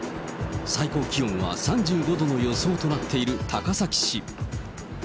最高気温は３５度の予想となっている高崎市。